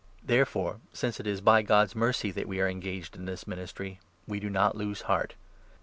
Therefore, since it is by God's mercy that we are engaged in i < this ministry, we do not lose heart.